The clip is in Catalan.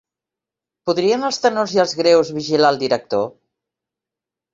Podrien els tenors i els greus vigilar el director?